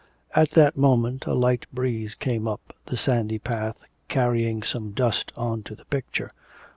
At that moment a light breeze came up the sandy path, carrying some dust on to the picture.